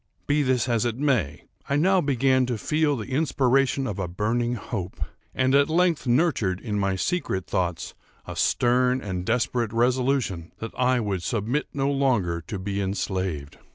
Be this as it may, I now began to feel the inspiration of a burning hope, and at length nurtured in my secret thoughts a stern and desperate resolution that I would submit no longer to be enslaved.